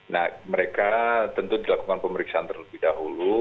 nah mereka tentu dilakukan pemeriksaan terlebih dahulu